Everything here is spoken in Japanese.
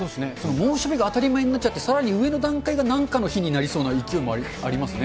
猛暑日が当たり前になっちゃって、さらに上の段階がなんかの日になりそうな勢いの日もありますね。